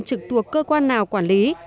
trực tuộc cơ quan nào quản lý